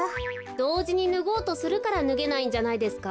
どうじにぬごうとするからぬげないんじゃないですか？